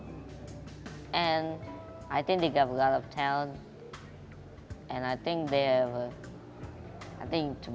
dan saya pikir mereka memiliki banyak kemampuan